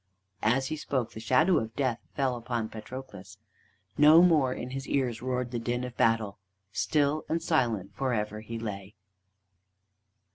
As he spoke, the shadow of Death fell upon Patroclus. No more in his ears roared the din of battle; still and silent for ever he lay.